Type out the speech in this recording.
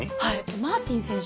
マーティン選手。